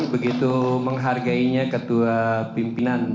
begitu menghargainya ketua pimpinan